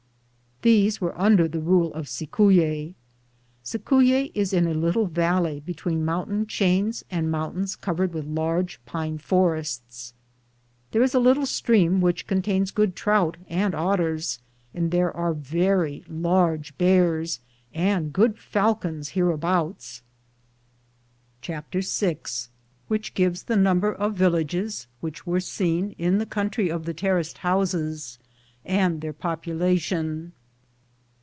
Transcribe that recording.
These were under the rule of Cicuye. Cicuye is in a little valley between mountain chains and mountains covered with large pine forests. There is a am Google THE JOURNEY OF CORONADO little stream which contains very good trout and otters, and there are very large bears and good falcons hereabouts. CHAPTER VI Which gives the number of villages which wen seen In the country of the terraced houses, and their population.